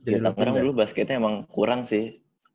di tangerang dulu basketnya emang kurang sih